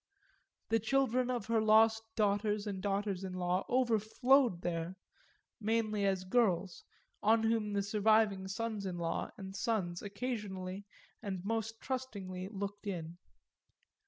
The children of her lost daughters and daughters in law overflowed there, mainly as girls; on whom the surviving sons in law and sons occasionally and most trustingly looked in.